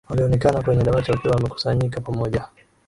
walionekana kwenye dawati wakiwa wamekusanyika pamoja